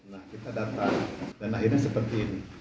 nah kita datang dan akhirnya seperti ini